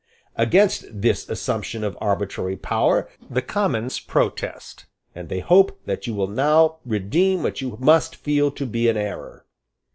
Against this assumption of arbitrary power the Commons protest; and they hope that you will now redeem what you must feel to be an error.